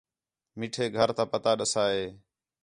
میٹھے گھر تا پتہ ݙَسّا ہِے